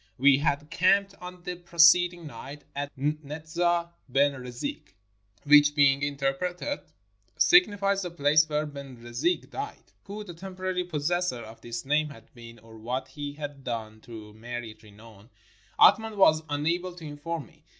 We had camped on the preceding night at Nza Ben Rzig — which, being interpreted, signifies the place where Ben Rzig died. Who the temporary pos sessor of this name had been, or what he had done to merit renown, Athman was unable to inform me.